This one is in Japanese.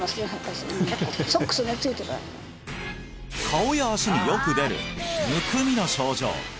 顔や足によく出るむくみの症状